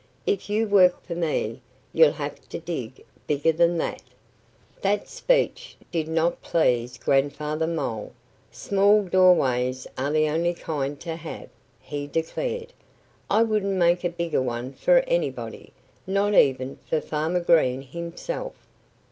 If you work for me you'll have to dig bigger than that." That speech did not please Grandfather Mole. "Small doorways are the only kind to have," he declared. "I wouldn't make a bigger one for anybody not even for Farmer Green himself."